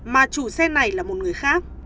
mà chủ xe này là một người khác